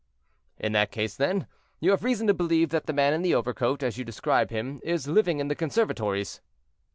"In that case, then, you have reason to believe that the man in the overcoat, as you describe him, is living in the conservatories."